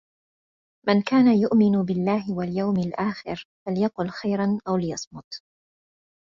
مَنْ كَانَ يُؤْمِنُ بِاللهِ وَالْيَوْمِ الآخِرِ فَلْيَقُلْ خَيْرًا أَوْ لِيَصْمُتْ،